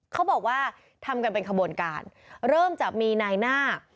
เขาบอกว่าทำกันเป็นขบวนการเริ่มจากมีนายหน้า